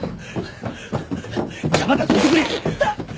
邪魔だどいてくれ！